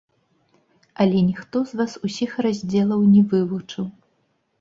Але ніхто з вас усіх раздзелаў не вывучыў.